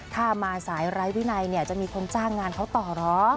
ถ้ามาสายรายวินัยจะมีคนจ้างงานเขาต่อเหรอ